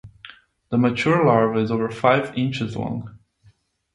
The mature larva is over five inches long.